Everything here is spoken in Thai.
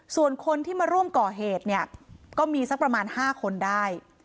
ส่วนคนที่มาร่วมก่อเหตุเนี่ยก็มีสักประมาณ๕คนได้